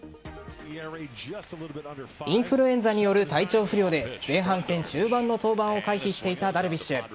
インフルエンザによる体調不良で前半戦終盤の登板を回避していたダルビッシュ。